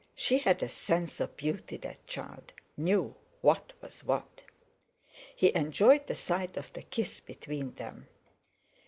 She had a sense of beauty, that child—knew what was what! He enjoyed the sight of the kiss between them.